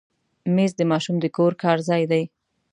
مېز د ماشوم د کور کار ځای دی.